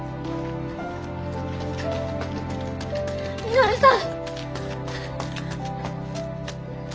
稔さん！